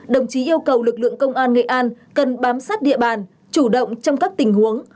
đồng chí yêu cầu lực lượng công an nghệ an cần bám sát địa bàn chủ động trong các tình huống